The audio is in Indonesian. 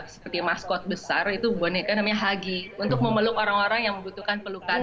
seperti maskot besar itu boneka namanya hagi untuk memeluk orang orang yang membutuhkan pelukan